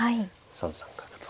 ３三角と。